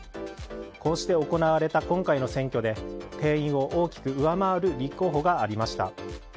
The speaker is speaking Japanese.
こうして行われた今回の選挙で定員を大きく上回る立候補がありました。